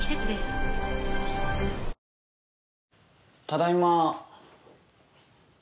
ただいま。